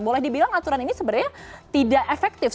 boleh dibilang aturan ini sebenarnya tidak efektif